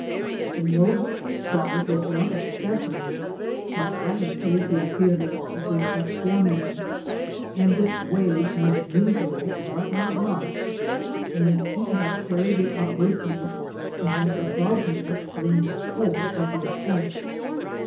'' The load which we tried was one of specin^ns which I had paid the apire to bring up for me, and which weighed more than usual, but not much, and he had carried it up with me, and was above me during the whole of the ascent.